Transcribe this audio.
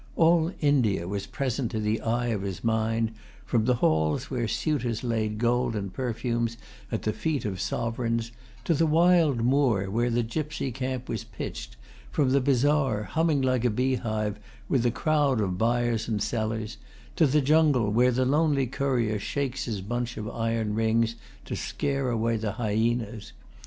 All India was present to the eye of his mind, from the halls where suitors laid gold and perfumes at the feet of sovereigns to the wild moor where the gypsy camp was pitched, from the bazaar, humming like a beehive with the crowd of buyers and sellers, to the jungle where the lonely courier shakes his bunch of iron rings to scare away the hyenas.